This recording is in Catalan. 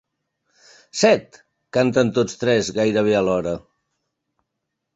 Set! —canten tots tres, gairebé alhora.